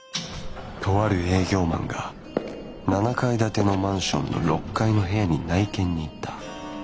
とある営業マンが７階建てのマンションの６階の部屋に内見に行った。